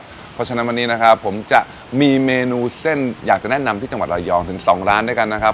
เพราะฉะนั้นวันนี้นะครับผมจะมีเมนูเส้นอยากจะแนะนำที่จังหวัดระยองถึง๒ร้านด้วยกันนะครับ